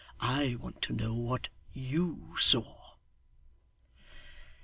I want to know what YOU saw.